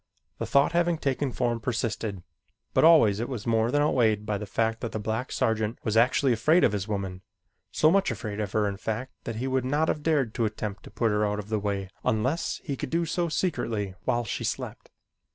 The thought having taken form persisted, but always it was more than outweighed by the fact that the black sergeant was actually afraid of his woman, so much afraid of her in fact that he would not have dared to attempt to put her out of the way unless he could do so secretly while she slept.